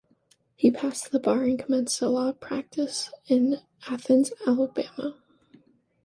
He passed the bar and commenced a law practice in Athens, Alabama.